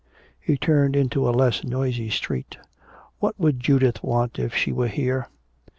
He turned into a less noisy street. What would Judith want if she were here?